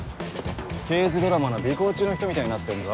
刑事ドラマの尾行中の人みたいになってんぞ。